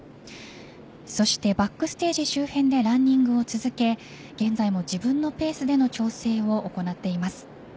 そしてバックステージ周辺でランニングを続け現在も自分のペースでの調整を行っています。